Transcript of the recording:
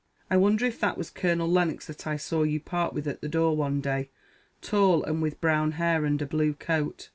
I wonder if that was Colonel Lennox that I saw you part with at the door one day tall, and with brown hair, and a bluecoat.